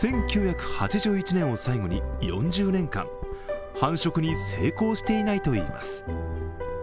１９８１年を最後に４０年間、繁殖に成功していないといいます。